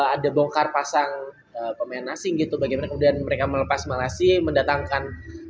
ada bongkar pasang pemain asing gitu bagaimana kemudian mereka melepas malasi mendatangkan